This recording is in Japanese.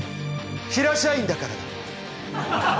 平社員だからだ。